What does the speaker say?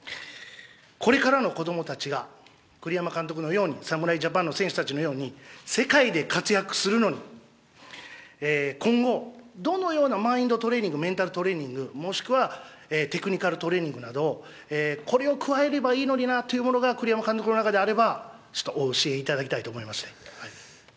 これからの子どもたちが、栗山監督のように、侍ジャパンの選手たちのように、世界で活躍するのに、今後、どのようなマインドトレーニング、メンタルトレーニング、もしくはテクニカルトレーニングなど、これを加えればいいのになっていうのが、栗山監督の中であれば、ちょっとお教えいただきたいと思いまして。